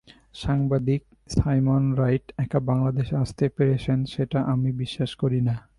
সাংবাদিক Simon Wright একা বাংলাদেশে আসতে পেরেছেন, সেটা আমি বিশ্বাস করি না।